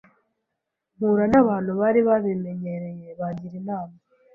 mpura n’abantu bari babimenyereye bangira inama